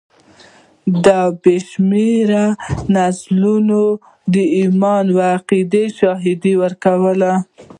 دا د بې شمېره نسلونو د ایمان او عقیدې شاهدي ورکوي.